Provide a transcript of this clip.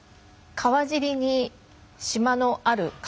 川尻に島のある川。